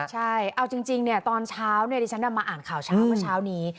ใช่เอาจริงเนี่ยตอนเช้าเนี่ยที่ฉันมาอ่านข่าวเช้าเมื่อเช้านี้